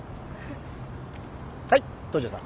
はい東城さん